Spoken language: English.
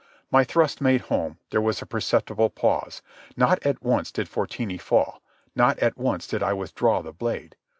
My thrust made home, there was a perceptible pause. Not at once did Fortini fall. Not at once did I withdraw the blade.